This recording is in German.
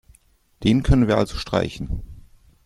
Den können wir also streichen.